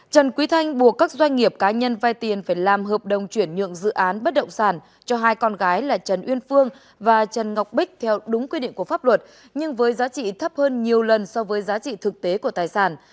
trần quý thanh buộc các doanh nghiệp cá nhân vai tiền phải làm hợp đồng chuyển nhượng dự án bất động sản cho hai con gái là trần uyên phương và trần ngọc bích theo đúng quy định của pháp luật nhưng với giá trị thấp hơn nhiều lần so với giá trị thực tế của tài sản